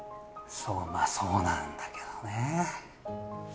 まあそうなんだけどね。